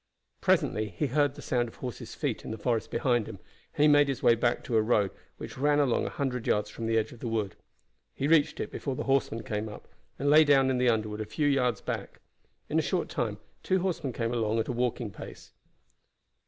Presently he heard the sound of horses' feet in the forest behind him, and he made his way back to a road which ran along a hundred yards from the edge of the wood. He reached it before the horsemen came up, and lay down in the underwood a few yards back. In a short time two horsemen came along at a walking pace.